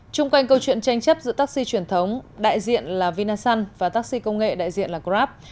trung quanh câu chuyện tranh chấp giữa taxi truyền thống đại diện là vinasun và taxi công nghệ đại diện là grab